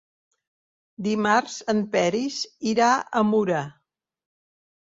Dimarts en Peris irà a Mura.